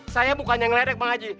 saya bukannya ngelerek bang haji